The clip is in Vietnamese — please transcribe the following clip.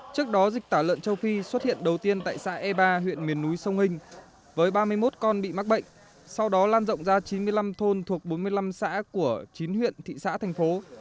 trước đó dịch tả lợn châu phi xuất hiện đầu tiên tại xã e ba huyện miền núi sông hình với ba mươi một con bị mắc bệnh sau đó lan rộng ra chín mươi năm thôn thuộc bốn mươi năm xã của chín huyện thị xã thành phố